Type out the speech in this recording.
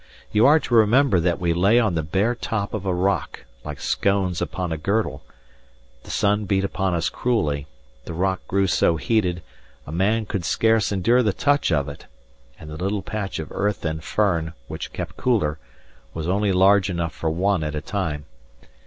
You are to remember that we lay on the bare top of a rock, like scones upon a girdle; the sun beat upon us cruelly; the rock grew so heated, a man could scarce endure the touch of it; and the little patch of earth and fern, which kept cooler, was only large enough for one at a time.